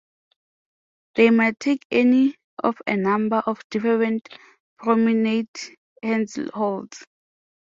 They might take any of a number of different promenade handholds.